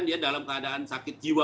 dalam keadaan sakit jiwa